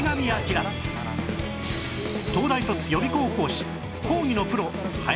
東大卒予備校講師